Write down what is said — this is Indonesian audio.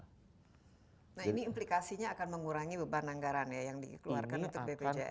nah ini implikasinya akan mengurangi beban anggaran ya yang dikeluarkan untuk bpjs